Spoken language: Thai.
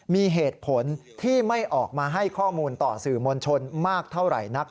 มีเหตุผลที่ไม่ออกมาให้ข้อมูลต่อสื่อมวลชนมากเท่าไหร่นัก